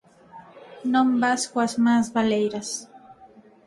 Non vas coas mans baleiras.